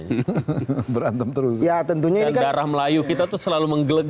tapi koreksi saya jika saya salah demokrasi indonesia pasca reformasi kita tidak pernah membangun demokrasi